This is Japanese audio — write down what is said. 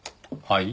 はい？